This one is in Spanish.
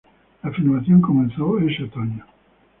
La filmación comenzó ese otoño.